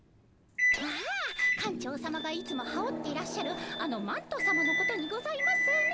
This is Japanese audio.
ああ館長さまがいつも羽おっていらっしゃるあのマントさまのことにございますね。